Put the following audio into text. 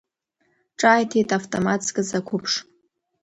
Ҿааиҭит автомат зкыз ақәыԥш.